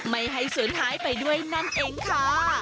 ไม่ให้สูญหายไปด้วยนั่นเองค่ะ